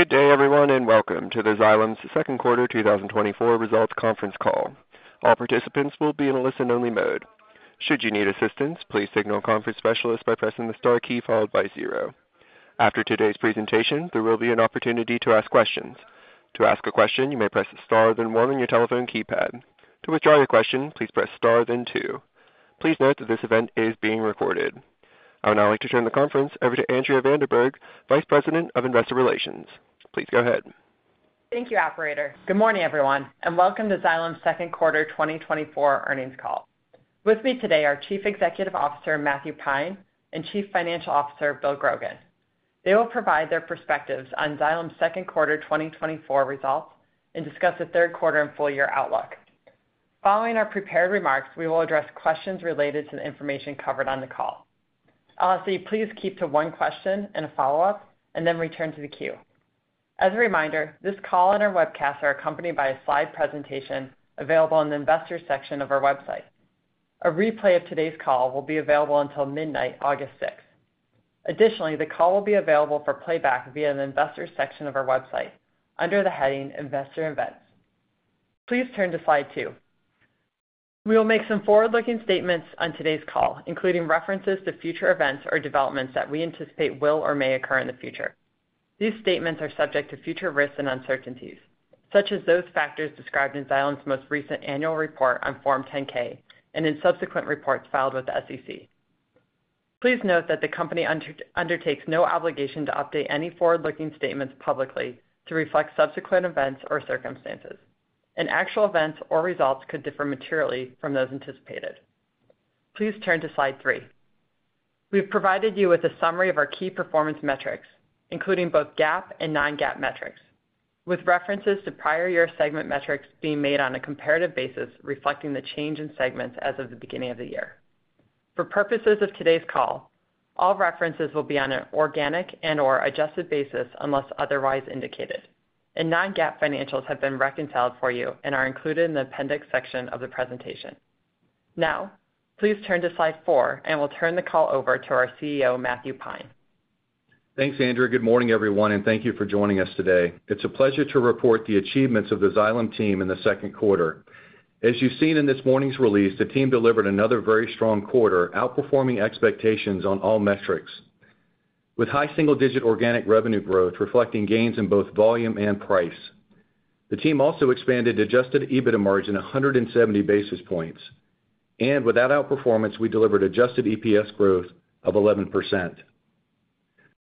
Good day, everyone, and welcome to the Xylem's second quarter 2024 results conference call. All participants will be in a listen-only mode. Should you need assistance, please signal a conference specialist by pressing the star key followed by zero. After today's presentation, there will be an opportunity to ask questions. To ask a question, you may press star, then one on your telephone keypad. To withdraw your question, please press star, then two. Please note that this event is being recorded. I would now like to turn the conference over to Andrea van der Berg, Vice President of Investor Relations. Please go ahead. Thank you, operator. Good morning, everyone, and welcome to Xylem's second quarter 2024 earnings call. With me today are Chief Executive Officer, Matthew Pine, and Chief Financial Officer, Bill Grogan. They will provide their perspectives on Xylem's second quarter 2024 results and discuss the third quarter and full year outlook. Following our prepared remarks, we will address questions related to the information covered on the call. I'll ask that you please keep to one question and a follow-up, and then return to the queue. As a reminder, this call and our webcast are accompanied by a slide presentation available on the Investors section of our website. A replay of today's call will be available until midnight, August 6. Additionally, the call will be available for playback via the Investors section of our website under the heading Investor Events. Please turn to slide 2. We will make some forward-looking statements on today's call, including references to future events or developments that we anticipate will or may occur in the future. These statements are subject to future risks and uncertainties, such as those factors described in Xylem's most recent annual report on Form 10-K and in subsequent reports filed with the SEC. Please note that the company undertakes no obligation to update any forward-looking statements publicly to reflect subsequent events or circumstances, and actual events or results could differ materially from those anticipated. Please turn to slide 3. We've provided you with a summary of our key performance metrics, including both GAAP and non-GAAP metrics, with references to prior year segment metrics being made on a comparative basis, reflecting the change in segments as of the beginning of the year. For purposes of today's call, all references will be on an organic and/or adjusted basis, unless otherwise indicated, and non-GAAP financials have been reconciled for you and are included in the appendix section of the presentation. Now, please turn to slide 4, and we'll turn the call over to our CEO, Matthew Pine. Thanks, Andrea. Good morning, everyone, and thank you for joining us today. It's a pleasure to report the achievements of the Xylem team in the second quarter. As you've seen in this morning's release, the team delivered another very strong quarter, outperforming expectations on all metrics, with high single-digit organic revenue growth reflecting gains in both volume and price. The team also expanded adjusted EBITDA margin 170 basis points, and with that outperformance, we delivered adjusted EPS growth of 11%.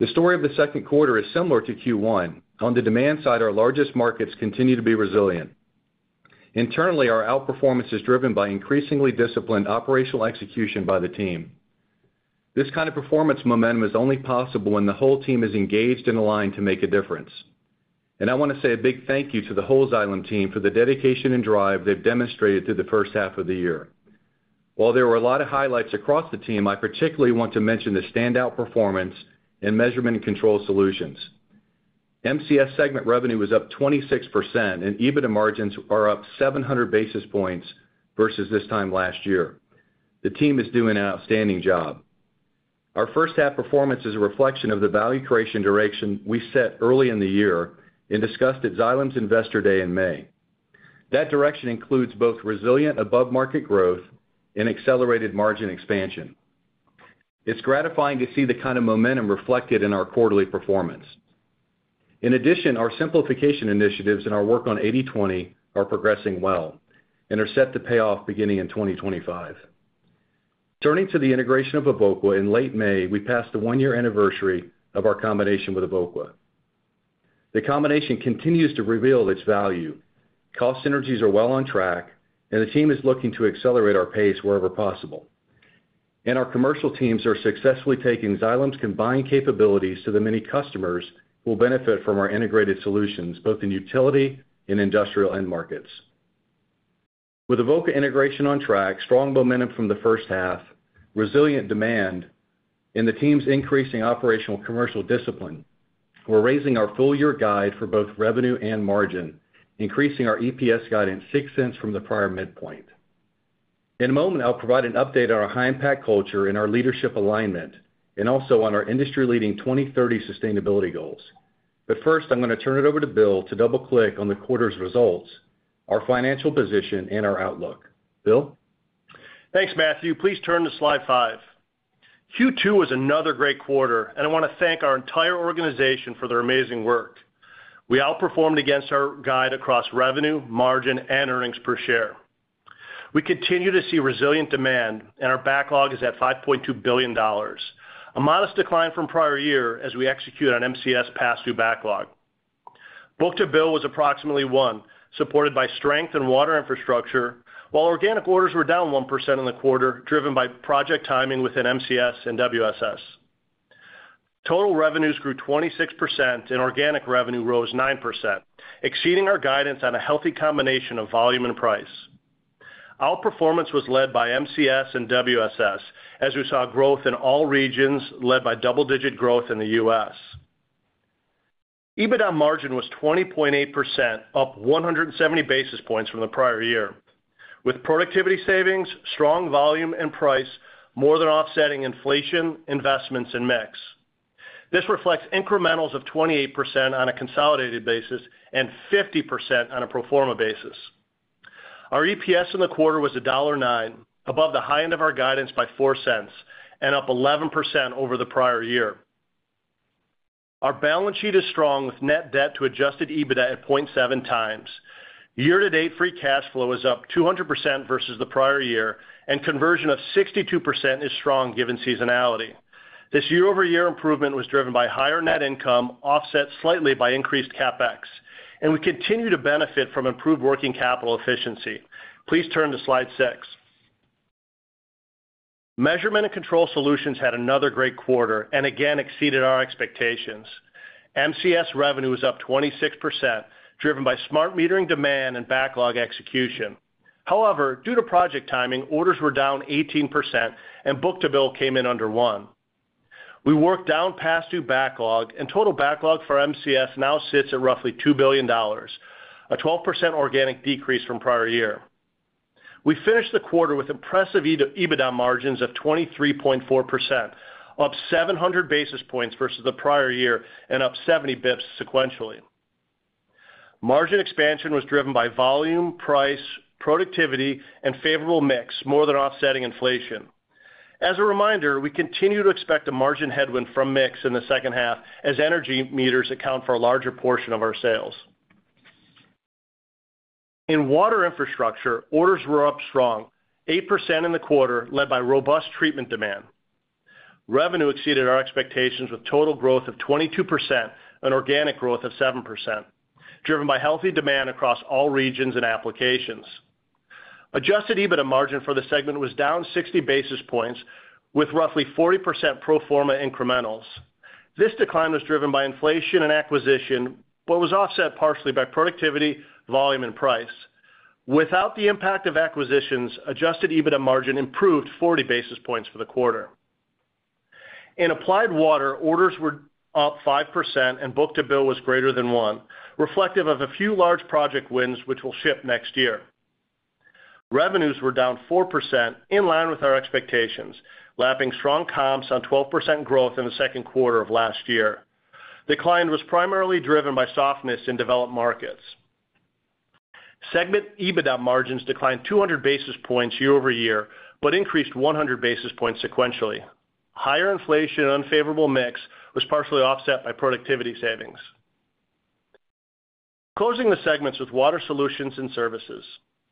The story of the second quarter is similar to Q1. On the demand side, our largest markets continue to be resilient. Internally, our outperformance is driven by increasingly disciplined operational execution by the team. This kind of performance momentum is only possible when the whole team is engaged and aligned to make a difference. I want to say a big thank you to the whole Xylem team for the dedication and drive they've demonstrated through the first half of the year. While there were a lot of highlights across the team, I particularly want to mention the standout performance in Measurement & Control Solutions. MCS segment revenue was up 26%, and EBITDA margins are up 700 basis points versus this time last year. The team is doing an outstanding job. Our first half performance is a reflection of the value creation direction we set early in the year and discussed at Xylem's Investor Day in May. That direction includes both resilient above-market growth and accelerated margin expansion. It's gratifying to see the kind of momentum reflected in our quarterly performance. In addition, our simplification initiatives and our work on 80/20 are progressing well and are set to pay off beginning in 2025. Turning to the integration of Evoqua, in late May, we passed the one-year anniversary of our combination with Evoqua. The combination continues to reveal its value. Cost synergies are well on track, and the team is looking to accelerate our pace wherever possible. And our commercial teams are successfully taking Xylem's combined capabilities to the many customers who will benefit from our integrated solutions, both in utility and industrial end markets. With Evoqua integration on track, strong momentum from the first half, resilient demand, and the team's increasing operational commercial discipline, we're raising our full year guide for both revenue and margin, increasing our EPS guidance $0.06 from the prior midpoint. In a moment, I'll provide an update on our high-impact culture and our leadership alignment, and also on our industry-leading 2030 sustainability goals. But first, I'm going to turn it over to Bill to double-click on the quarter's results, our financial position, and our outlook. Bill? Thanks, Matthew. Please turn to slide 5. Q2 was another great quarter, and I want to thank our entire organization for their amazing work. We outperformed against our guide across revenue, margin, and earnings per share. We continue to see resilient demand, and our backlog is at $5.2 billion, a modest decline from prior year as we execute on MCS past due backlog. Book-to-bill was approximately 1, supported by strength in water infrastructure, while organic orders were down 1% in the quarter, driven by project timing within MCS and WSS. Total revenues grew 26%, and organic revenue rose 9%, exceeding our guidance on a healthy combination of volume and price. Our performance was led by MCS and WSS, as we saw growth in all regions, led by double-digit growth in the US. EBITDA margin was 20.8%, up 170 basis points from the prior year. With productivity savings, strong volume and price, more than offsetting inflation, investments, and mix. This reflects incrementals of 28% on a consolidated basis and 50% on a pro forma basis. Our EPS in the quarter was $1.09, above the high end of our guidance by $0.04, and up 11% over the prior year. Our balance sheet is strong, with net debt to adjusted EBITDA at 0.7 times. Year-to-date free cash flow is up 200% versus the prior year, and conversion of 62% is strong given seasonality. This year-over-year improvement was driven by higher net income, offset slightly by increased CapEx, and we continue to benefit from improved working capital efficiency. Please turn to Slide 6. Measurement & Control Solutions had another great quarter, and again exceeded our expectations. MCS revenue was up 26%, driven by smart metering demand and backlog execution. However, due to project timing, orders were down 18% and book-to-bill came in under 1. We worked down past due backlog, and total backlog for MCS now sits at roughly $2 billion, a 12% organic decrease from prior year. We finished the quarter with impressive EBITDA margins of 23.4%, up 700 basis points versus the prior year and up 70 basis points sequentially. Margin expansion was driven by volume, price, productivity, and favorable mix, more than offsetting inflation. As a reminder, we continue to expect a margin headwind from mix in the second half as energy meters account for a larger portion of our sales. In Water Infrastructure, orders were up strong, 8% in the quarter, led by robust treatment demand. Revenue exceeded our expectations, with total growth of 22% and organic growth of 7%, driven by healthy demand across all regions and applications. Adjusted EBITDA margin for the segment was down 60 basis points, with roughly 40% pro forma incrementals. This decline was driven by inflation and acquisition, but was offset partially by productivity, volume, and price. Without the impact of acquisitions, adjusted EBITDA margin improved 40 basis points for the quarter. In Applied Water, orders were up 5% and book-to-bill was greater than 1, reflective of a few large project wins, which will ship next year. Revenues were down 4%, in line with our expectations, lapping strong comps on 12% growth in the second quarter of last year. Decline was primarily driven by softness in developed markets. Segment EBITDA margins declined 200 basis points year-over-year, but increased 100 basis points sequentially. Higher inflation and unfavorable mix was partially offset by productivity savings. Closing the segments with Water Solutions and Services.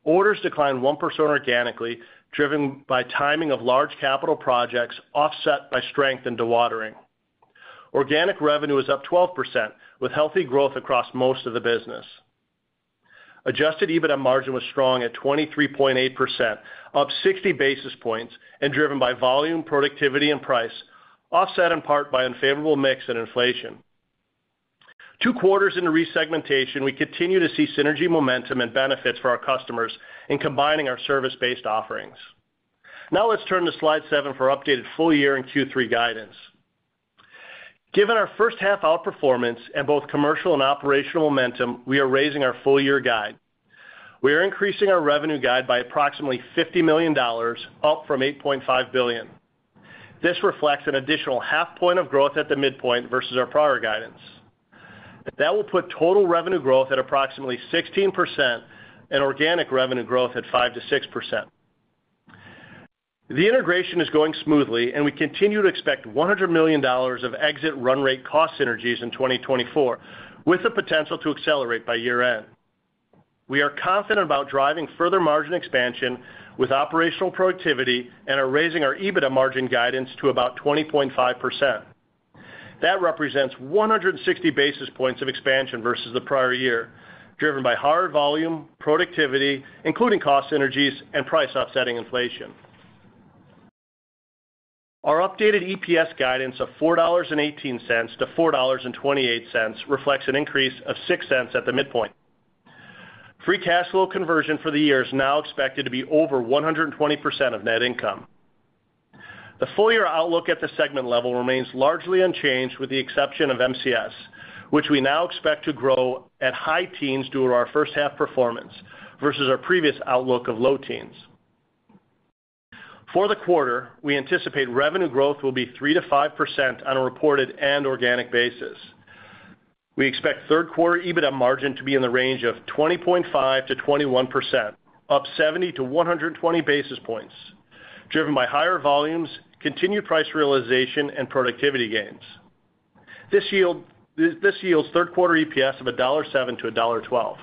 Orders declined 1% organically, driven by timing of large capital projects, offset by strength in dewatering. Organic revenue is up 12%, with healthy growth across most of the business. Adjusted EBITDA margin was strong at 23.8%, up 60 basis points and driven by volume, productivity, and price, offset in part by unfavorable mix and inflation. Two quarters into resegmentation, we continue to see synergy, momentum, and benefits for our customers in combining our service-based offerings. Now let's turn to Slide 7 for updated full year and Q3 guidance. Given our first half outperformance and both commercial and operational momentum, we are raising our full year guide. We are increasing our revenue guide by approximately $50 million, up from $8.5 billion. This reflects an additional 0.5 point of growth at the midpoint versus our prior guidance. That will put total revenue growth at approximately 16% and organic revenue growth at 5%-6%. The integration is going smoothly, and we continue to expect $100 million of exit run rate cost synergies in 2024, with the potential to accelerate by year-end. We are confident about driving further margin expansion with operational productivity and are raising our EBITDA margin guidance to about 20.5%. That represents 160 basis points of expansion versus the prior year, driven by higher volume, productivity, including cost synergies and price offsetting inflation. Our updated EPS guidance of $4.18-$4.28 reflects an increase of $0.06 at the midpoint. Free cash flow conversion for the year is now expected to be over 120% of net income. The full year outlook at the segment level remains largely unchanged, with the exception of MCS, which we now expect to grow at high teens due to our first half performance, versus our previous outlook of low teens. For the quarter, we anticipate revenue growth will be 3%-5% on a reported and organic basis. We expect third quarter EBITDA margin to be in the range of 20.5%-21%, up 70-120 basis points, driven by higher volumes, continued price realization, and productivity gains. This yields third quarter EPS of $1.07-$1.12.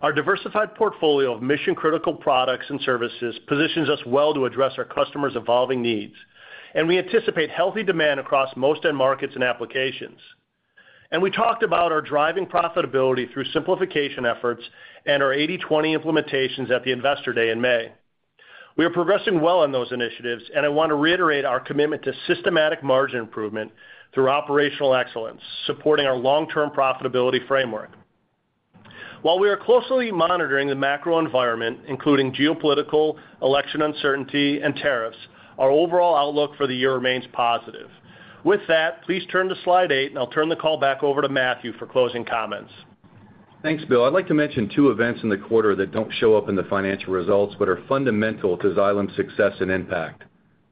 Our diversified portfolio of mission-critical products and services positions us well to address our customers' evolving needs, and we anticipate healthy demand across most end markets and applications. And we talked about our driving profitability through simplification efforts and our 80/20 implementations at the Investor Day in May. We are progressing well on those initiatives, and I want to reiterate our commitment to systematic margin improvement through operational excellence, supporting our long-term profitability framework. While we are closely monitoring the macro environment, including geopolitical, election uncertainty, and tariffs, our overall outlook for the year remains positive. With that, please turn to slide 8, and I'll turn the call back over to Matthew for closing comments. Thanks, Bill. I'd like to mention 2 events in the quarter that don't show up in the financial results, but are fundamental to Xylem's success and impact.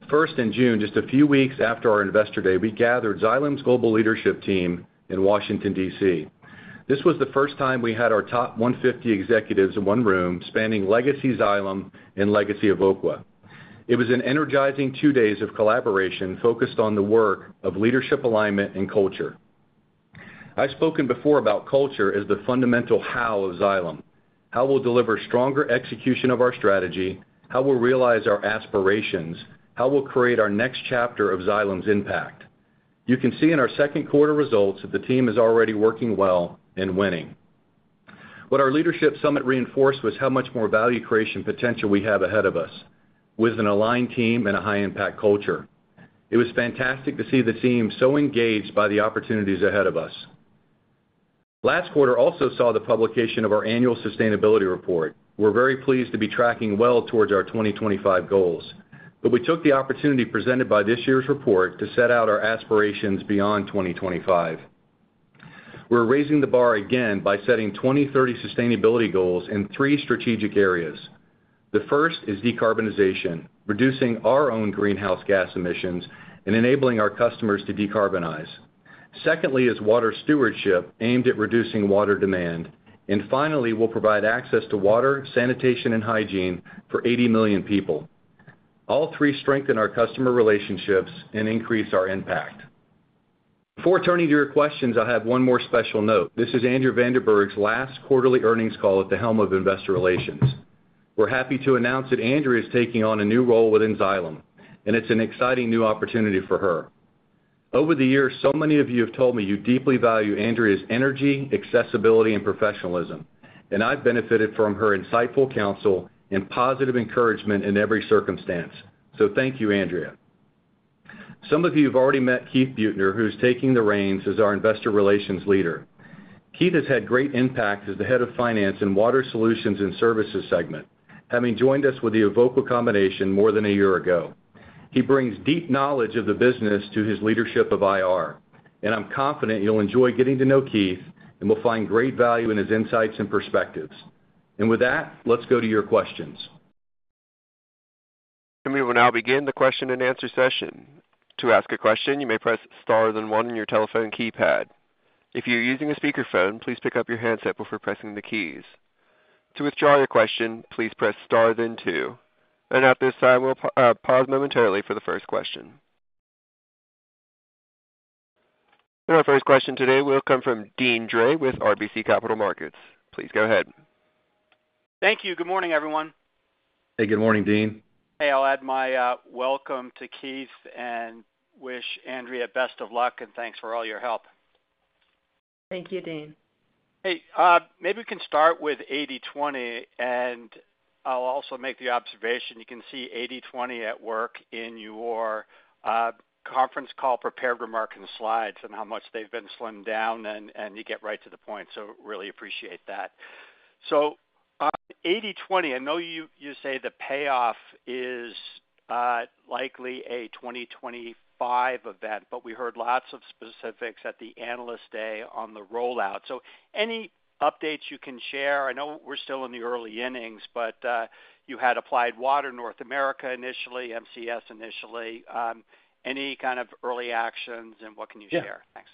First, in June, just a few weeks after our Investor Day, we gathered Xylem's global leadership team in Washington, D.C. This was the first time we had our top 150 executives in one room, spanning legacy Xylem and legacy Evoqua. It was an energizing 2 days of collaboration focused on the work of leadership, alignment, and culture. I've spoken before about culture as the fundamental how of Xylem, how we'll deliver stronger execution of our strategy, how we'll realize our aspirations, how we'll create our next chapter of Xylem's impact. You can see in our second quarter results that the team is already working well and winning. What our leadership summit reinforced was how much more value creation potential we have ahead of us with an aligned team and a high-impact culture. It was fantastic to see the team so engaged by the opportunities ahead of us. Last quarter also saw the publication of our annual sustainability report. We're very pleased to be tracking well towards our 2025 goals, but we took the opportunity presented by this year's report to set out our aspirations beyond 2025. We're raising the bar again by setting 2030 sustainability goals in three strategic areas. The first is decarbonization, reducing our own greenhouse gas emissions and enabling our customers to decarbonize. Secondly, is water stewardship, aimed at reducing water demand. And finally, we'll provide access to water, sanitation, and hygiene for 80 million people. All three strengthen our customer relationships and increase our impact. Before turning to your questions, I have one more special note. This is Andrea 's last quarterly earnings call at the helm of Investor Relations. We're happy to announce that Andrea is taking on a new role within Xylem, and it's an exciting new opportunity for her. Over the years, so many of you have told me you deeply value Andrea's energy, accessibility, and professionalism, and I've benefited from her insightful counsel and positive encouragement in every circumstance. So thank you, Andrea. Some of you have already met Keith Buettner, who's taking the reins as our investor relations leader. Keith has had great impact as the head of finance in Water Solutions and Services segment, having joined us with the Evoqua combination more than a year ago. He brings deep knowledge of the business to his leadership of IR, and I'm confident you'll enjoy getting to know Keith and will find great value in his insights and perspectives. With that, let's go to your questions. We will now begin the question-and-answer session. To ask a question, you may press star then one on your telephone keypad. If you're using a speakerphone, please pick up your handset before pressing the keys. To withdraw your question, please press star then two. And at this time, we'll pause momentarily for the first question. And our first question today will come from Dean Dray with RBC Capital Markets. Please go ahead. Thank you. Good morning, everyone. Hey, good morning, Dean. Hey, I'll add my welcome to Keith and wish Andrea best of luck, and thanks for all your help. Thank you, Dean. Hey, maybe we can start with 80/20, and I'll also make the observation, you can see 80/20 at work in your conference call prepared remark and slides and how much they've been slimmed down, and you get right to the point. So really appreciate that. So, 80/20, I know you say the payoff is likely a 2025 event, but we heard lots of specifics at the Analyst Day on the rollout. So any updates you can share? I know we're still in the early innings, but you had Applied Water, North America, initially, MCS initially. Any kind of early actions, and what can you share? Yeah. Thanks.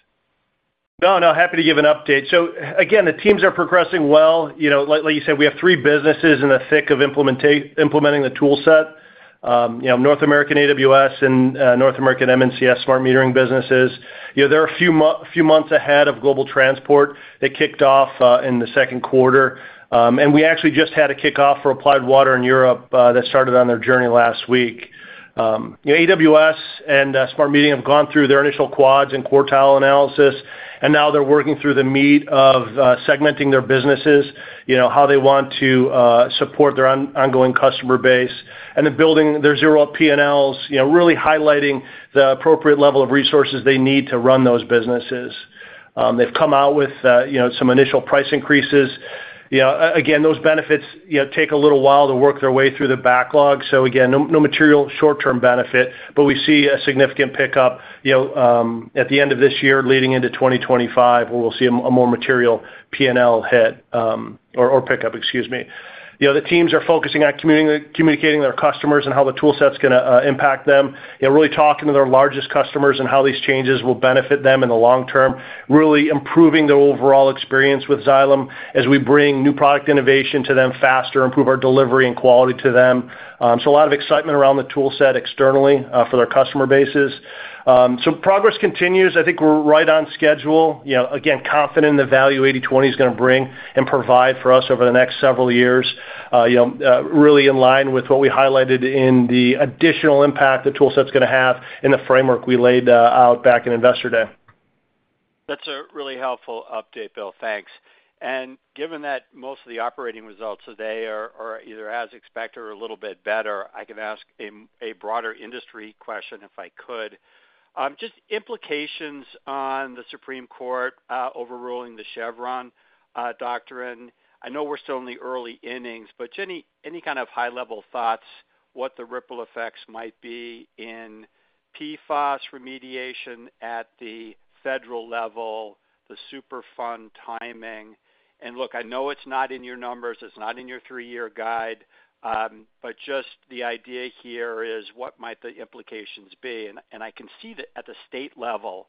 No, no, happy to give an update. So again, the teams are progressing well. You know, like, like you said, we have three businesses in the thick of implementing the tool set. You know, North American AWS and North American MCS smart metering businesses. You know, they're a few months ahead of global transport. They kicked off in the second quarter, and we actually just had a kickoff for Applied Water in Europe that started on their journey last week. You know, AWS and smart metering have gone through their initial quads and quartile analysis, and now they're working through the meat of segmenting their businesses, you know, how they want to support their ongoing customer base, and then building their zero P&Ls, you know, really highlighting the appropriate level of resources they need to run those businesses. They've come out with, you know, some initial price increases. You know, again, those benefits, you know, take a little while to work their way through the backlog, so again, no material short-term benefit, but we see a significant pickup, you know, at the end of this year, leading into 2025, where we'll see a more material P&L hit, or pickup, excuse me. You know, the teams are focusing on communicating with their customers and how the tool set's gonna impact them, and really talking to their largest customers and how these changes will benefit them in the long term, really improving their overall experience with Xylem as we bring new product innovation to them faster, improve our delivery and quality to them. So a lot of excitement around the tool set externally for their customer bases. So progress continues. I think we're right on schedule, you know, again, confident in the value 80/20 is gonna bring and provide for us over the next several years, you know, really in line with what we highlighted in the additional impact the tool set's gonna have in the framework we laid out back in Investor Day. That's a really helpful update, Bill. Thanks. And given that most of the operating results today are either as expected or a little bit better, I can ask a broader industry question, if I could. Just implications on the Supreme Court overruling the Chevron doctrine. I know we're still in the early innings, but just any kind of high-level thoughts, what the ripple effects might be in PFAS remediation at the federal level, the Superfund timing? And look, I know it's not in your numbers, it's not in your three-year guide, but just the idea here is what might the implications be? And I can see that at the state level,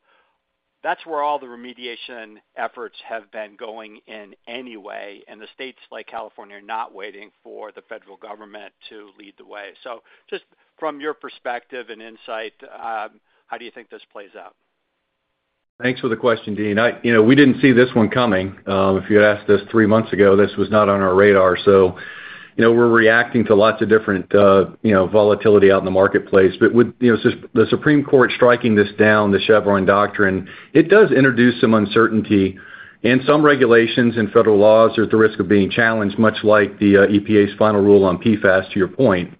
that's where all the remediation efforts have been going in anyway, and the states like California are not waiting for the federal government to lead the way. Just from your perspective and insight, how do you think this plays out? Thanks for the question, Dean. You know, we didn't see this one coming. If you had asked us three months ago, this was not on our radar. So, you know, we're reacting to lots of different, you know, volatility out in the marketplace. But with, you know, the Supreme Court striking this down, the Chevron doctrine, it does introduce some uncertainty, and some regulations and federal laws are at the risk of being challenged, much like the EPA's final rule on PFAS, to your point.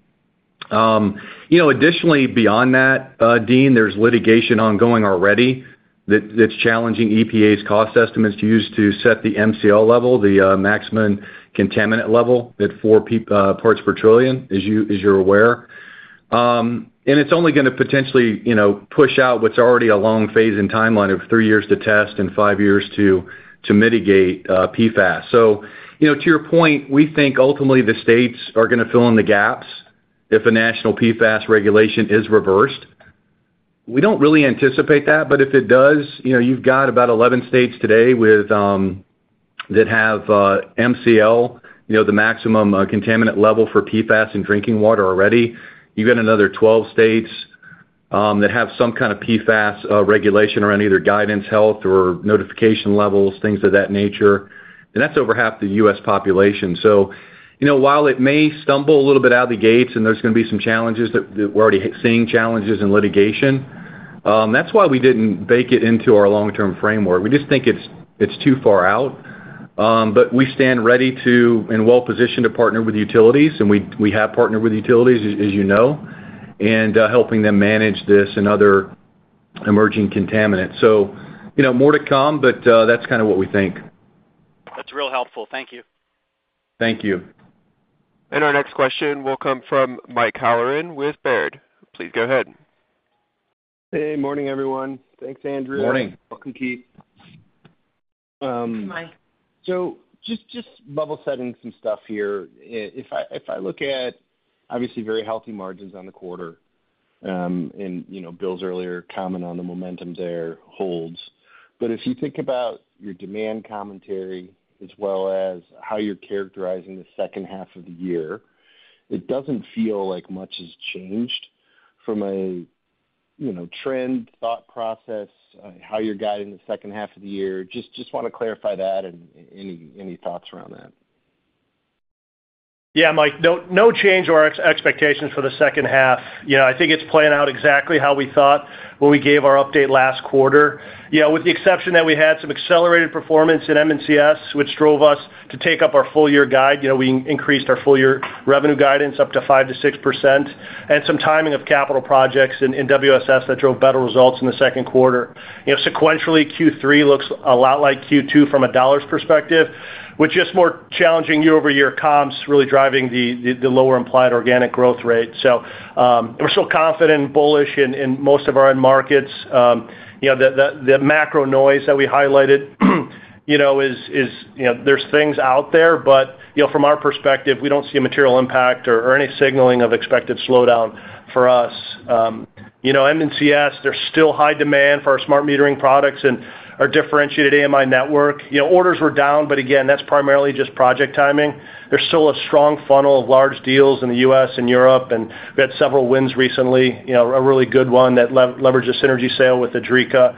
You know, additionally, beyond that, Dean, there's litigation ongoing already that's challenging EPA's cost estimates to use to set the MCL level, the maximum contaminant level, at four parts per trillion, as you're aware. And it's only gonna potentially, you know, push out what's already a long phase and timeline of 3 years to test and 5 years to mitigate PFAS. So, you know, to your point, we think ultimately the states are gonna fill in the gaps if a national PFAS regulation is reversed. We don't really anticipate that, but if it does, you know, you've got about 11 states today with that have MCL, you know, the maximum contaminant level for PFAS in drinking water already. You've got another 12 states that have some kind of PFAS regulation around either guidance, health, or notification levels, things of that nature, and that's over half the U.S. population. So, you know, while it may stumble a little bit out of the gates, and there's gonna be some challenges, that we're already seeing challenges in litigation, that's why we didn't bake it into our long-term framework. We just think it's too far out. But we stand ready to and well-positioned to partner with utilities, and we have partnered with utilities, as you know, and helping them manage this and other emerging contaminants. So, you know, more to come, but that's kind of what we think. That's real helpful. Thank you. Thank you. Our next question will come from Mike Halloran with Baird. Please go ahead. Hey, morning, everyone. Thanks, Andrea. Morning. Welcome, Keith. Hi, Mike. So just, just level setting some stuff here. If I look at, obviously, very healthy margins on the quarter, and, you know, Bill's earlier comment on the momentum there holds. But if you think about your demand commentary as well as how you're characterizing the second half of the year, it doesn't feel like much has changed from a, you know, trend, thought process, how you're guiding the second half of the year. Just, just want to clarify that and any, any thoughts around that. Yeah, Mike, no, no change to our expectations for the second half. You know, I think it's playing out exactly how we thought when we gave our update last quarter. Yeah, with the exception that we had some accelerated performance in MCS, which drove us to take up our full year guide. You know, we increased our full year revenue guidance up to 5%-6%, and some timing of capital projects in WSS that drove better results in the second quarter. You know, sequentially, Q3 looks a lot like Q2 from a dollars perspective, with just more challenging year-over-year comps really driving the lower implied organic growth rate. So, we're still confident and bullish in most of our end markets. You know, the macro noise that we highlighted, you know, is, you know, there's things out there, but, you know, from our perspective, we don't see a material impact or any signaling of expected slowdown for us. You know, MCS, there's still high demand for our smart metering products and our differentiated AMI network. You know, orders were down, but again, that's primarily just project timing. There's still a strong funnel of large deals in the U.S. and Europe, and we had several wins recently, you know, a really good one that leveraged a synergy sale with Idrica.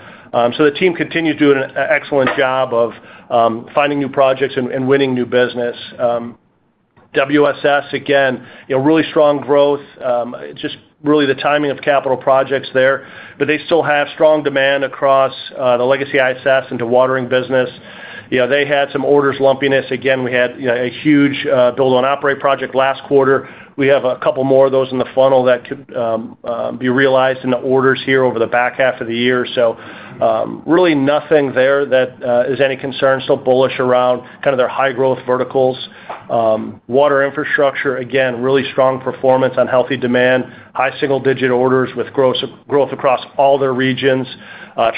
So the team continued to do an excellent job of finding new projects and winning new business. WSS, again, you know, really strong growth, just really the timing of capital projects there, but they still have strong demand across, the legacy ISS and the dewatering business. You know, they had some orders lumpiness. Again, we had, you know, a huge, build-own-operate project last quarter. We have a couple more of those in the funnel that could, be realized in the orders here over the back half of the year. So, really nothing there that, is any concern, still bullish around kind of their high-growth verticals. Water Infrastructure, again, really strong performance on healthy demand, high single-digit orders with strong growth across all their regions.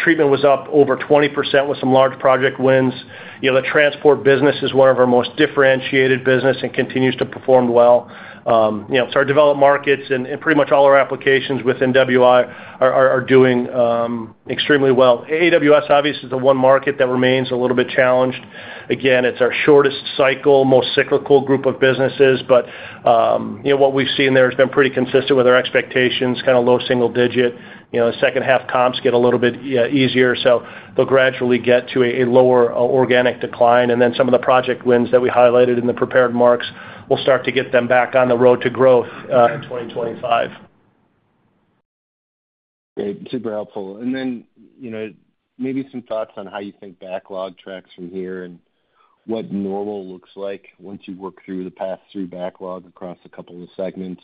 Treatment was up over 20% with some large project wins. You know, the transport business is one of our most differentiated business and continues to perform well. You know, so our developed markets and pretty much all our applications within WI are doing extremely well. AWS, obviously, is the one market that remains a little bit challenged. Again, it's our shortest cycle, most cyclical group of businesses, but you know, what we've seen there has been pretty consistent with our expectations, kind of low single digit. You know, the second half comps get a little bit easier, so they'll gradually get to a lower organic decline, and then some of the project wins that we highlighted in the prepared remarks will start to get them back on the road to growth in 2025. Great, super helpful. And then, you know, maybe some thoughts on how you think backlog tracks from here, and what normal looks like once you work through the past two backlog across a couple of segments,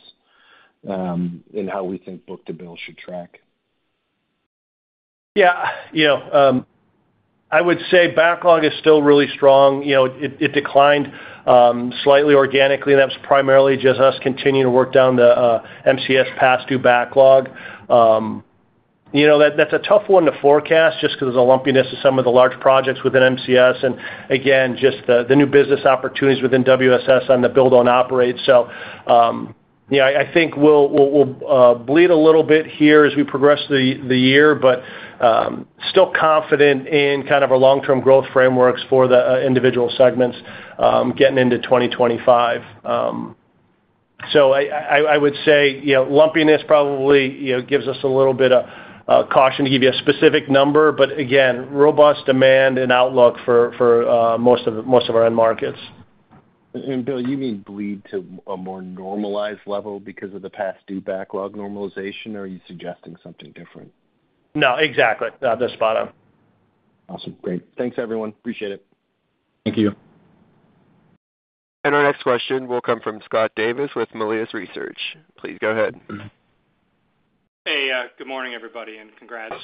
and how we think book-to-bill should track? Yeah, you know, I would say backlog is still really strong. You know, it declined slightly organically, and that's primarily just us continuing to work down the MCS past due backlog. You know, that's a tough one to forecast just 'cause of the lumpiness of some of the large projects within MCS, and again, just the new business opportunities within WSS on the build-own-operate. So, yeah, I think we'll bleed a little bit here as we progress the year, but still confident in kind of our long-term growth frameworks for the individual segments, getting into 2025. So I would say, you know, lumpiness probably, you know, gives us a little bit of caution to give you a specific number, but again, robust demand and outlook for most of our end markets. Bill, you mean bleed to a more normalized level because of the past due backlog normalization, or are you suggesting something different? No, exactly. That's spot on. Awesome. Great. Thanks, everyone. Appreciate it. Thank you. Our next question will come from Scott Davis with Melius Research. Please go ahead. Hey, good morning, everybody, and congrats,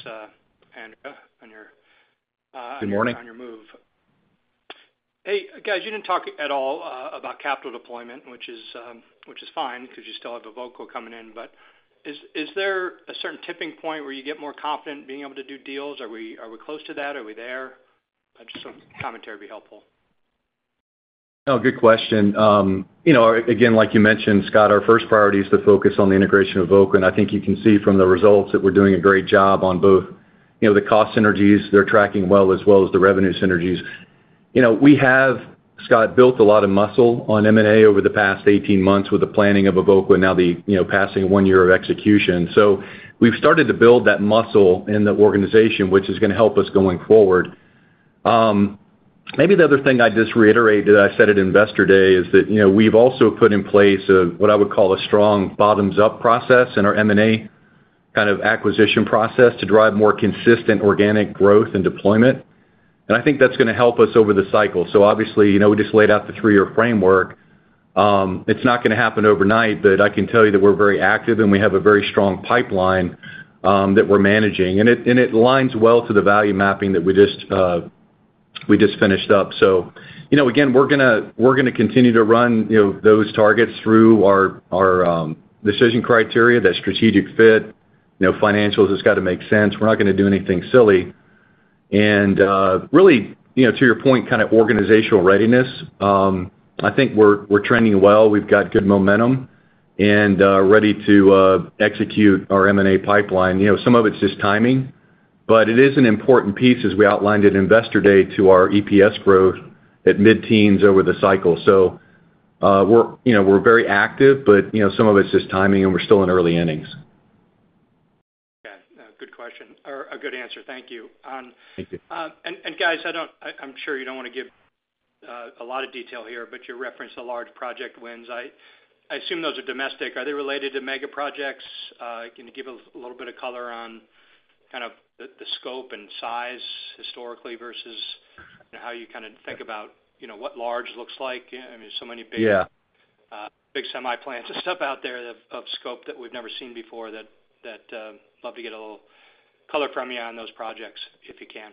Andrea, on your, Good morning -on your move. Hey, guys, you didn't talk at all about capital deployment, which is, which is fine 'cause you still have Evoqua coming in. But is there a certain tipping point where you get more confident being able to do deals? Are we close to that? Are we there? Just some commentary would be helpful. No, good question. You know, again, like you mentioned, Scott, our first priority is to focus on the integration of Evoqua, and I think you can see from the results that we're doing a great job on both. You know, the cost synergies, they're tracking well, as well as the revenue synergies. You know, we have, Scott, built a lot of muscle on M&A over the past 18 months with the planning of Evoqua, now the, you know, passing 1 year of execution. So we've started to build that muscle in the organization, which is gonna help us going forward. Maybe the other thing I'd just reiterate, that I said at Investor Day, is that, you know, we've also put in place a, what I would call a strong bottoms-up process in our M&A kind of acquisition process to drive more consistent organic growth and deployment. I think that's gonna help us over the cycle. So obviously, you know, we just laid out the three-year framework. It's not gonna happen overnight, but I can tell you that we're very active, and we have a very strong pipeline that we're managing, and it aligns well to the value mapping that we just finished up. So, you know, again, we're gonna continue to run, you know, those targets through our decision criteria, that strategic fit. You know, financials has got to make sense. We're not gonna do anything silly. And really, you know, to your point, kind of organizational readiness, I think we're trending well. We've got good momentum and ready to execute our M&A pipeline. You know, some of it's just timing, but it is an important piece, as we outlined at Investor Day, to our EPS growth at mid-teens over the cycle. So, we're, you know, we're very active, but, you know, some of it's just timing, and we're still in early innings. Yeah. Good question or a good answer. Thank you. Thank you. And guys, I don't, I'm sure you don't want to give a lot of detail here, but you referenced the large project wins. I assume those are domestic. Are they related to mega projects? Can you give a little bit of color on kind of the scope and size historically versus how you kind of think about, you know, what large looks like? I mean, so many big- Yeah... big semi plants to step outside of scope that we've never seen before. I'd love to get a little color from you on those projects, if you can.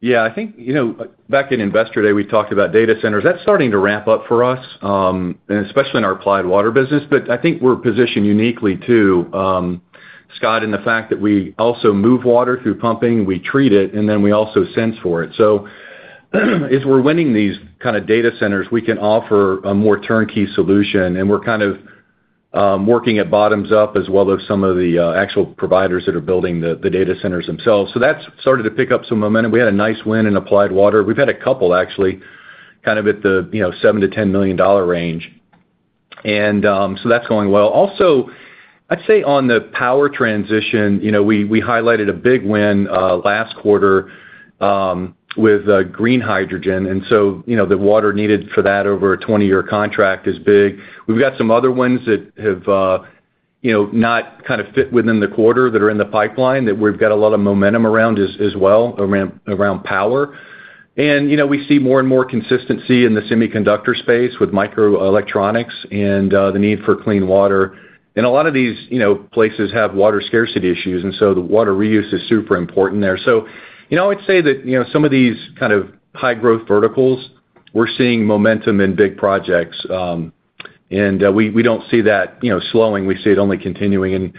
Yeah, I think, you know, back in Investor Day, we talked about data centers. That's starting to ramp up for us, and especially in our Applied Water business. But I think we're positioned uniquely too, Scott, in the fact that we also move water through pumping, we treat it, and then we also sense for it. So as we're winning these kind of data centers, we can offer a more turnkey solution, and we're kind of working at bottoms up, as well as some of the actual providers that are building the data centers themselves. So that's started to pick up some momentum. We had a nice win in Applied Water. We've had a couple actually, kind of at the, you know, $7 million-$10 million range, and so that's going well. Also, I'd say on the power transition, you know, we highlighted a big win last quarter with green hydrogen, and so, you know, the water needed for that over a 20-year contract is big. We've got some other ones that have you know, not kind of fit within the quarter that are in the pipeline, that we've got a lot of momentum around as well around power. And, you know, we see more and more consistency in the semiconductor space with microelectronics and the need for clean water. And a lot of these, you know, places have water scarcity issues, and so the water reuse is super important there. So, you know, I would say that, you know, some of these kind of high growth verticals, we're seeing momentum in big projects. We don't see that, you know, slowing. We see it only continuing. And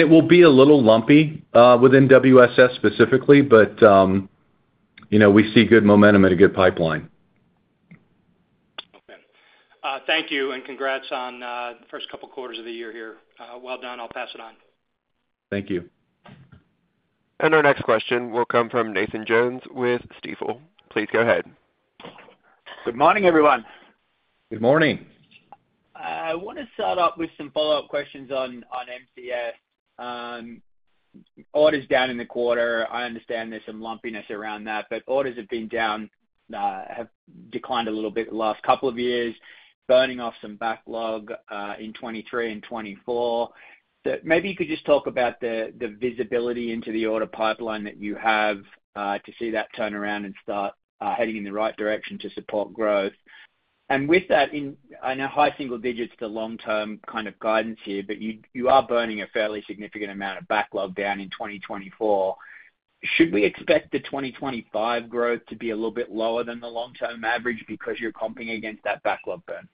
it will be a little lumpy within WSS specifically, but, you know, we see good momentum and a good pipeline. Okay. Thank you, and congrats on the first couple quarters of the year here. Well done. I'll pass it on. Thank you. Our next question will come from Nathan Jones with Stifel. Please go ahead. Good morning, everyone. Good morning. I want to start off with some follow-up questions on MCS. Orders down in the quarter. I understand there's some lumpiness around that, but orders have been down, have declined a little bit the last couple of years, burning off some backlog, in 2023 and 2024. So maybe you could just talk about the, the visibility into the order pipeline that you have, to see that turn around and start, heading in the right direction to support growth. And with that, in, I know high single digits, the long-term kind of guidance here, but you, you are burning a fairly significant amount of backlog down in 2024. Should we expect the 2025 growth to be a little bit lower than the long-term average because you're comping against that backlog burn?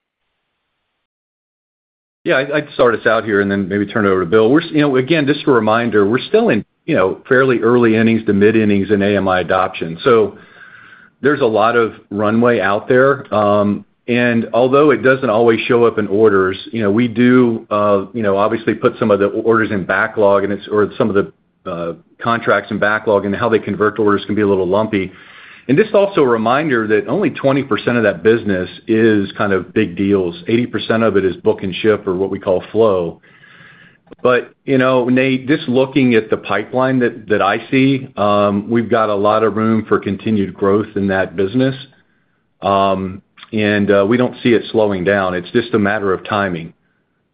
Yeah, I'd, I'd start us out here and then maybe turn it over to Bill. We're, you know, again, just a reminder, we're still in, you know, fairly early innings to mid innings in AMI adoption, so there's a lot of runway out there. And although it doesn't always show up in orders, you know, we do, you know, obviously put some of the orders in backlog, and it's or some of the contracts in backlog, and how they convert orders can be a little lumpy. And just also a reminder that only 20% of that business is kind of big deals. 80% of it is book and ship, or what we call flow. But, you know, Nate, just looking at the pipeline that I see, we've got a lot of room for continued growth in that business, and we don't see it slowing down. It's just a matter of timing,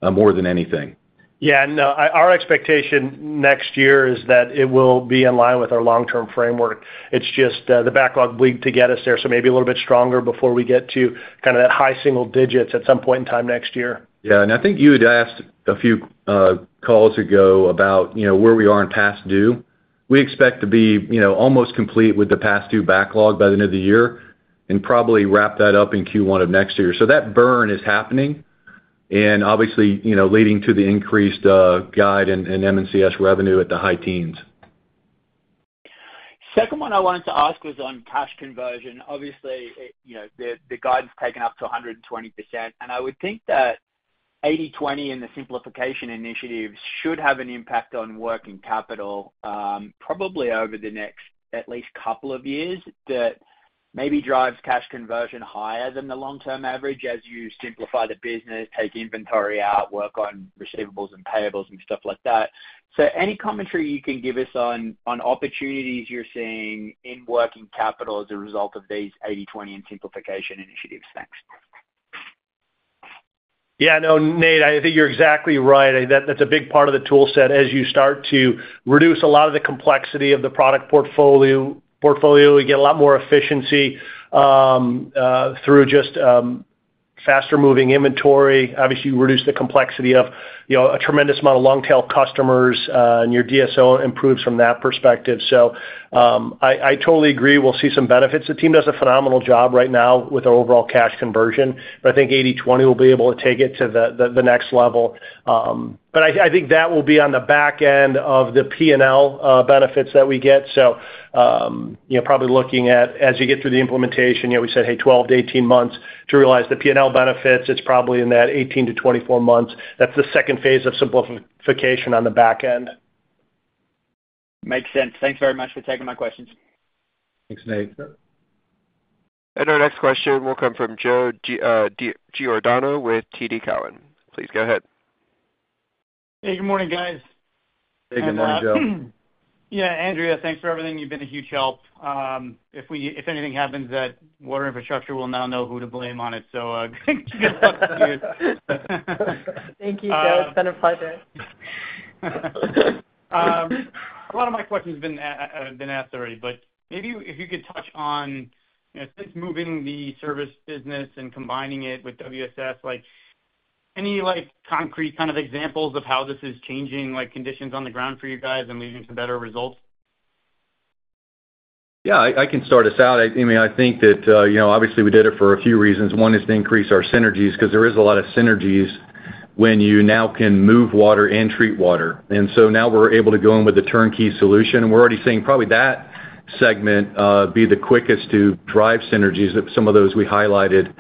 more than anything. Yeah, no, our expectation next year is that it will be in line with our long-term framework. It's just, the backlog bleed to get us there, so maybe a little bit stronger before we get to kind of that high single digits at some point in time next year. Yeah, and I think you had asked a few calls ago about, you know, where we are in past due. We expect to be, you know, almost complete with the past due backlog by the end of the year, and probably wrap that up in Q1 of next year. So that burn is happening and obviously, you know, leading to the increased guide and MNCS revenue at the high teens. Second one I wanted to ask was on cash conversion. Obviously, it, you know, the, the guide's taken up to 100%, and I would think that 80/20 and the simplification initiative should have an impact on working capital, probably over the next at least couple of years, that maybe drives cash conversion higher than the long-term average as you simplify the business, take inventory out, work on receivables and payables and stuff like that. So any commentary you can give us on, on opportunities you're seeing in working capital as a result of these 80/20 and simplification initiatives? Thanks. Yeah. No, Nate, I think you're exactly right. That's a big part of the tool set. As you start to reduce a lot of the complexity of the product portfolio, we get a lot more efficiency through just faster moving inventory. Obviously, you reduce the complexity of, you know, a tremendous amount of long-tail customers, and your DSO improves from that perspective. So, I totally agree, we'll see some benefits. The team does a phenomenal job right now with our overall cash conversion, but I think 80/20 will be able to take it to the next level. But I think that will be on the back end of the P&L benefits that we get. So, you know, probably looking at, as you get through the implementation, you know, we said, hey, 12-18 months to realize the P&L benefits, it's probably in that 18-24 months. That's the second phase of simplification on the back end. Makes sense. Thanks very much for taking my questions. Thanks, Nate. Our next question will come from Joe Giordano with TD Cowen. Please go ahead. Hey, good morning, guys. Hey, good morning, Joe. Yeah, Andrea, thanks for everything. You've been a huge help. If anything happens at Water Infrastructure, we'll now know who to blame on it, so good luck to you. Thank you, Joe. It's been a pleasure. A lot of my questions have been asked already, but maybe if you could touch on, you know, since moving the service business and combining it with WSS, like, any, like, concrete kind of examples of how this is changing, like, conditions on the ground for you guys and leading to better results? Yeah, I can start us out. I mean, I think that, you know, obviously we did it for a few reasons. One is to increase our synergies, 'cause there is a lot of synergies when you now can move water and treat water. And so now we're able to go in with a turnkey solution, and we're already seeing probably that segment be the quickest to drive synergies, some of those we highlighted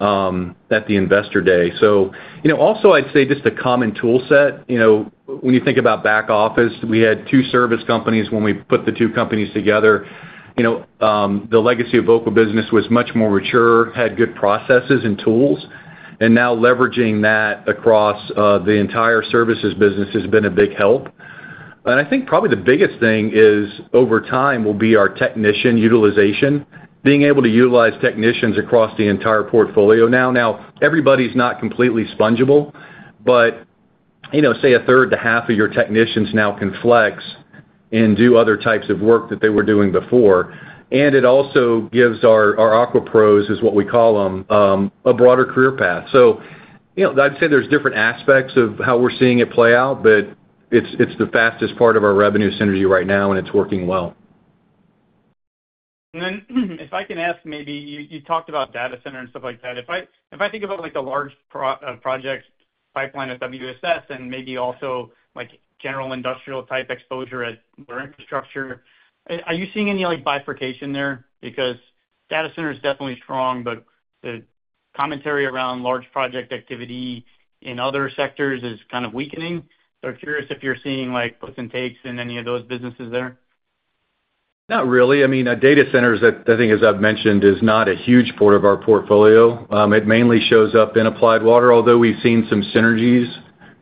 at the Investor Day. So, you know, also I'd say just a common tool set. You know, when you think about back office, we had two service companies when we put the two companies together. You know, the legacy of local business was much more mature, had good processes and tools, and now leveraging that across the entire services business has been a big help. And I think probably the biggest thing is, over time, will be our technician utilization, being able to utilize technicians across the entire portfolio. Now, everybody's not completely fungible, but, you know, say, a third to half of your technicians now can flex and do other types of work that they were doing before. And it also gives our AquaPros, is what we call them, a broader career path. So, you know, I'd say there's different aspects of how we're seeing it play out, but it's the fastest part of our revenue synergy right now, and it's working well. And then, if I can ask, maybe you talked about data center and stuff like that. If I think about, like, the large project pipeline at WSS and maybe also like general industrial-type exposure at Water Infrastructure, are you seeing any, like, bifurcation there? Because data center is definitely strong, but the commentary around large project activity in other sectors is kind of weakening. So I'm curious if you're seeing, like, puts and takes in any of those businesses there? Not really. I mean, data centers, I think, as I've mentioned, is not a huge part of our portfolio. It mainly shows up in applied water, although we've seen some synergies,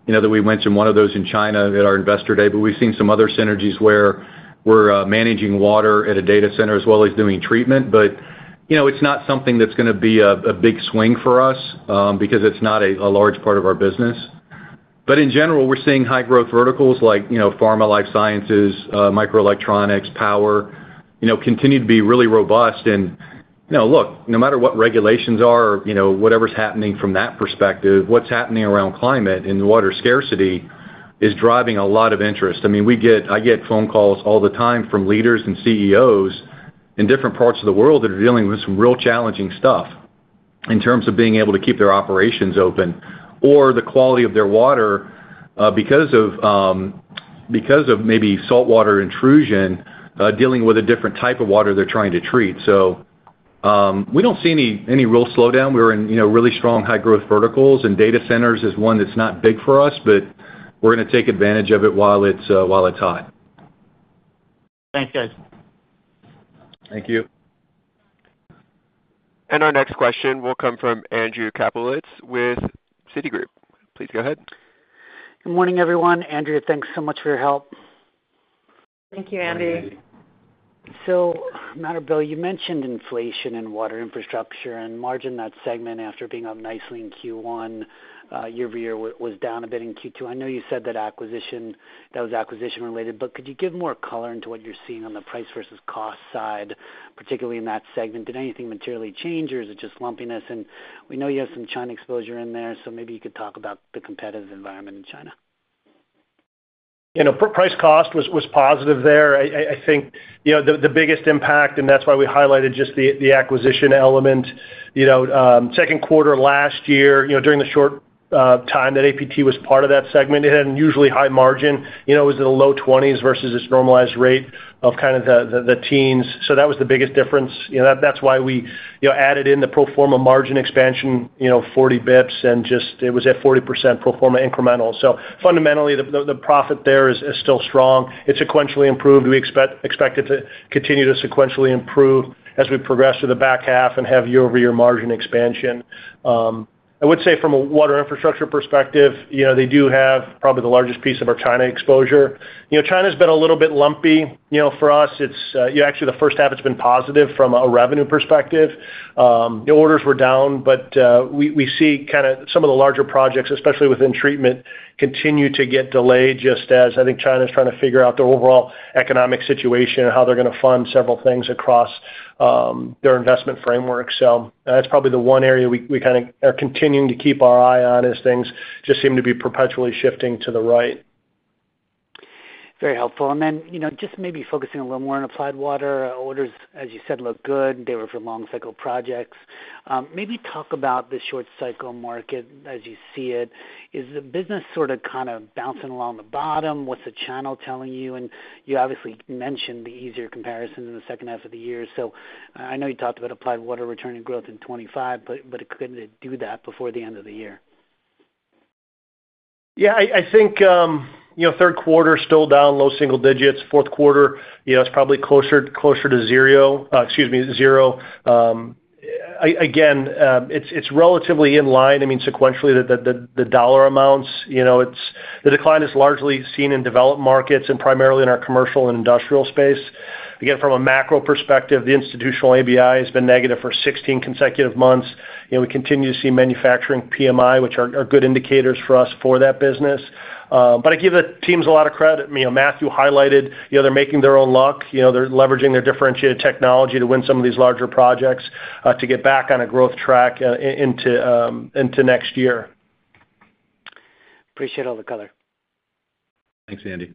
you know, that we mentioned one of those in China at our investor day. But we've seen some other synergies where we're managing water at a data center as well as doing treatment. But, you know, it's not something that's gonna be a big swing for us, because it's not a large part of our business. But in general, we're seeing high growth verticals like, you know, pharma, life sciences, microelectronics, power, you know, continue to be really robust. And, you know, look, no matter what regulations are, you know, whatever's happening from that perspective, what's happening around climate and water scarcity is driving a lot of interest. I mean, we get-- I get phone calls all the time from leaders and CEOs in different parts of the world that are dealing with some real challenging stuff in terms of being able to keep their operations open or the quality of their water, because of, because of maybe saltwater intrusion, dealing with a different type of water they're trying to treat. So, we don't see any real slowdown. We're in, you know, really strong high growth verticals, and data centers is one that's not big for us, but we're gonna take advantage of it while it's hot. Thanks, guys. Thank you. Our next question will come from Andrew Kaplowitz with Citigroup. Please go ahead. Good morning, everyone. Andrea, thanks so much for your help. Thank you, Andy. So Matt or Bill, you mentioned inflation in water infrastructure and margin, that segment, after being up nicely in Q1, year over year, was down a bit in Q2. I know you said that acquisition, that was acquisition-related, but could you give more color into what you're seeing on the price versus cost side, particularly in that segment? Did anything materially change, or is it just lumpiness? And we know you have some China exposure in there, so maybe you could talk about the competitive environment in China. You know, for price cost was, was positive there. I, I think, you know, the, the biggest impact, and that's why we highlighted just the, the acquisition element, you know, second quarter last year, you know, during the short, time that APT was part of that segment, it had an unusually high margin, you know, it was in the low 20s versus its normalized rate of kind of the, the, the teens. So that was the biggest difference. You know, that- that's why we, you know, added in the pro forma margin expansion, you know, 40 bips, and just it was at 40% pro forma incremental. So fundamentally, the, the, the profit there is, is still strong. It sequentially improved. We expect- expect it to continue to sequentially improve as we progress through the back half and have year-over-year margin expansion. I would say from a water infrastructure perspective, you know, they do have probably the largest piece of our China exposure. You know, China's been a little bit lumpy. You know, for us, it's, yeah, actually, the first half, it's been positive from a revenue perspective. The orders were down, but we see kinda some of the larger projects, especially within treatment, continue to get delayed, just as I think China is trying to figure out the overall economic situation and how they're gonna fund several things across their investment framework. So, that's probably the one area we kinda are continuing to keep our eye on as things just seem to be perpetually shifting to the right. Very helpful. And then, you know, just maybe focusing a little more on applied water. Orders, as you said, look good. They were for long cycle projects. Maybe talk about the short cycle market as you see it. Is the business sort of, kind of bouncing along the bottom? What's the channel telling you? And you obviously mentioned the easier comparison in the second half of the year. So I know you talked about applied water returning growth in 2025, but, but could it do that before the end of the year? Yeah, I think, you know, third quarter still down, low single digits. Fourth quarter, you know, it's probably closer to zero, excuse me, zero. Again, it's relatively in line. I mean, sequentially, the dollar amounts, you know, it's the decline is largely seen in developed markets and primarily in our commercial and industrial space. Again, from a macro perspective, the institutional ABI has been negative for 16 consecutive months. You know, we continue to see manufacturing PMI, which are good indicators for us for that business. But I give the teams a lot of credit. You know, Matthew highlighted, you know, they're making their own luck. You know, they're leveraging their differentiated technology to win some of these larger projects to get back on a growth track into next year. Appreciate all the color. Thanks, Andy.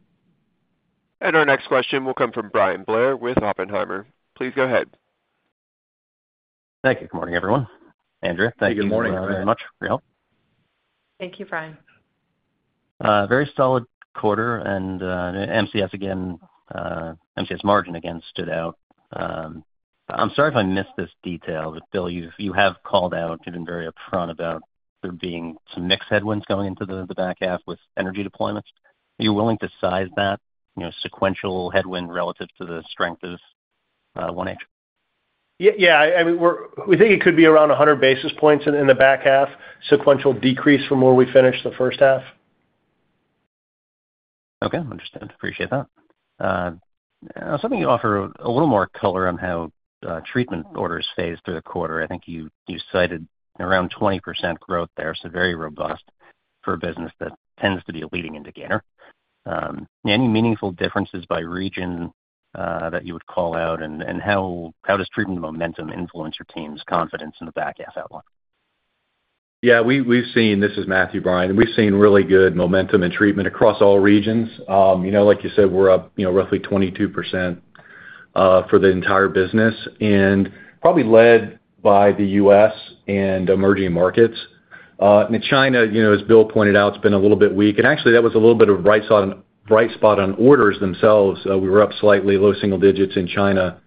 Our next question will come from Bryan Blair with Oppenheimer. Please go ahead. Thank you. Good morning, everyone. Andrea thank you- Good morning, Bryan. very much for your help. Thank you, Bryan. Very solid quarter, and, MCS again, MCS margin again stood out. I'm sorry if I missed this detail, but Bill, you, you have called out and been very upfront about there being some mixed headwinds going into the, the back half with energy deployments. Are you willing to size that, you know, sequential headwind relative to the strength of, 1H? Yeah. I mean, we think it could be around 100 basis points in the back half, sequential decrease from where we finished the first half. Okay, understood. Appreciate that. I was hoping you offer a little more color on how treatment orders phased through the quarter. I think you cited around 20% growth there, so very robust for a business that tends to be a leading indicator. Any meaningful differences by region that you would call out? And how does treatment momentum influence your team's confidence in the back half outlook? Yeah, we've seen... This is Matthew, Bryan, and we've seen really good momentum and treatment across all regions. You know, like you said, we're up, you know, roughly 22%, for the entire business, and probably led by the US and emerging markets. And China, you know, as Bill pointed out, it's been a little bit weak. And actually, that was a little bit of bright spot, bright spot on orders themselves. We were up slightly, low single digits in China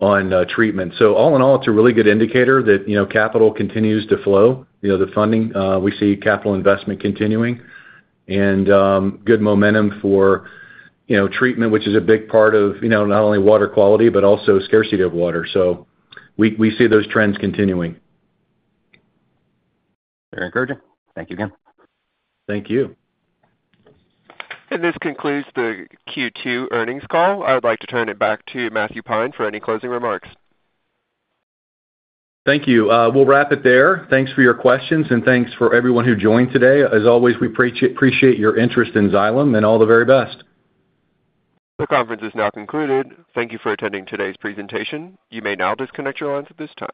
on treatment. So all in all, it's a really good indicator that, you know, capital continues to flow. You know, the funding, we see capital investment continuing and good momentum for, you know, treatment, which is a big part of, you know, not only water quality, but also scarcity of water. So we see those trends continuing. Very encouraging. Thank you again. Thank you. This concludes the Q2 earnings call. I would like to turn it back to Matthew Pine for any closing remarks. Thank you. We'll wrap it there. Thanks for your questions, and thanks for everyone who joined today. As always, we appreciate your interest in Xylem, and all the very best. The conference is now concluded. Thank you for attending today's presentation. You may now disconnect your lines at this time.